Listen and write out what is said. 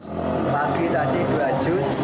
pagi tadi dua jus